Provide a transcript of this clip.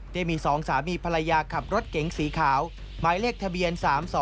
ได้มี๒สามีภรรยาขับรถเก๋งสีขาวหมายเลขทะเบียน๓๒